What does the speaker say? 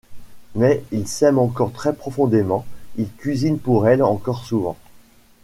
Mais ils s'aiment encore très profondément, il cuisine pour elle encore souvent.